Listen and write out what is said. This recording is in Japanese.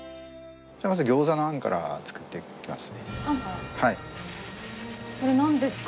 まず餃子の餡から作っていきます。